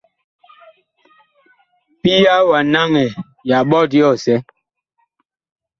Pia wa naŋɛ ya ɓɔt yɔsɛ.